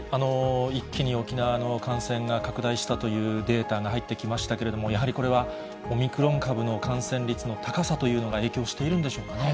一気に沖縄の感染が拡大したというデータが入ってきましたけれども、やはりこれは、オミクロン株の感染率の高さというのが影響しているんでしょうか